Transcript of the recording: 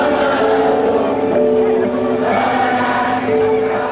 musisi jazz tersebut memiliki kekuatan yang sangat menarik